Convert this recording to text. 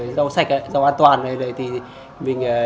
rau sạch rau an toàn